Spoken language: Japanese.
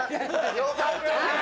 よかった。